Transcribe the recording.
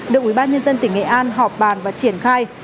được ubnd tỉnh nghệ an họp bàn và triển khai